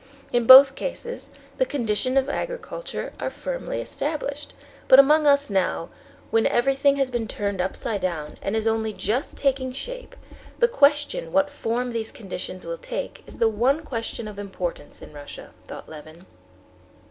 In both cases the conditions of agriculture are firmly established; but among us now, when everything has been turned upside down and is only just taking shape, the question what form these conditions will take is the one question of importance in Russia," thought Levin.